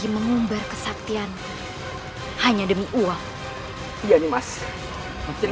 menghabisi perempuan poto